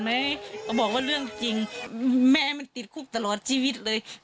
มั้ยก็บอกว่าเรื่องจริงแม่มันติดคุกตลอดจิวดิ์เลย